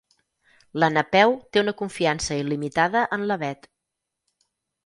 La Napeu té una confiança il·limitada en la Bet.